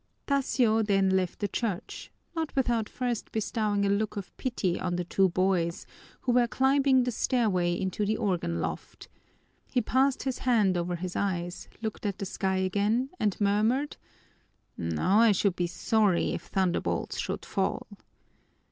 Tasio then left the church, not without first bestowing a look of pity on the two boys, who were climbing the stairway into the organ loft. He passed his hand over his eyes, looked at the sky again, and murmured, "Now I should be sorry if thunderbolts should fall."